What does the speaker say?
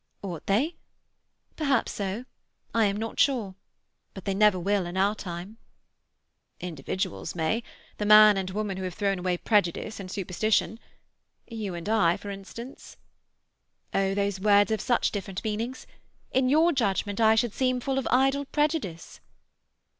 "Ought they? Perhaps so. I am not sure. But they never will in our time." "Individuals may. The man and woman who have thrown away prejudice and superstition. You and I, for instance." "Oh, those words have such different meanings. In your judgment I should seem full of idle prejudice."